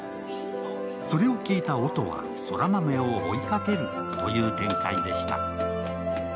それを聞いた音は空豆を追いかけるという展開でした。